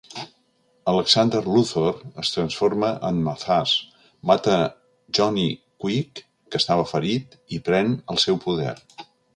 Alexander Luthor es transforma en Mazahs, mata Johnny Quick, que estava ferit, i pren el seu poder.